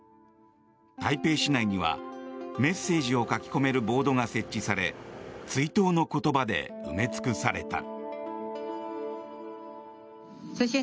台北市内にはメッセージを書き込めるボードが設置され追悼の言葉で埋め尽くされた。